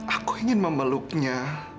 aku ingin memeluknya